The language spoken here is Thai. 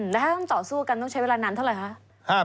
แล้วถ้าต้องต่อสู้กันต้องใช้เวลานานเท่าไหร่คะ